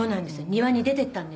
庭に出ていったんですよ」